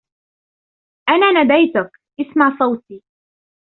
أنا ناديتك, إسمع صوتي.